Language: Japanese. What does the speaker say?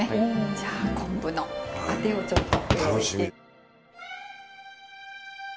じゃあ昆布のあてをちょっと。